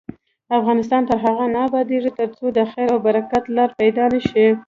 افغانستان تر هغو نه ابادیږي، ترڅو د خیر او برکت لاره پیدا نشي.